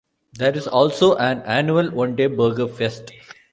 There is also an annual one-day Burger Fest.